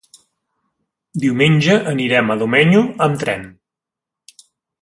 Diumenge anirem a Domenyo amb tren.